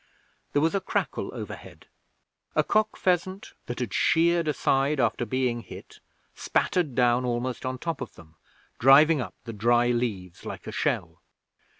There was a crackle overhead. A cock pheasant that had sheered aside after being hit spattered down almost on top of them, driving up the dry leaves like a shell.